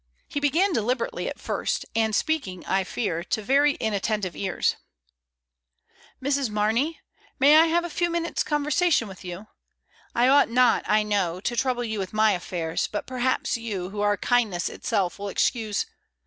He began, de liberately at first, and speaking, I fear, to very in attentive ears — "Mrs. Mamey! may I have a few minutes' conversation with you? I ought not, I know, to trouble you with my affairs, but perhaps you, who are kindness itself, will excuse.